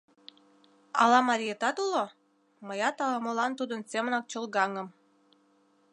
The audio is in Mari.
Ала мариетат уло? — мыят ала-молан тудын семынак чолгаҥым.